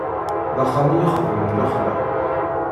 D axxam i ixedmen lexla.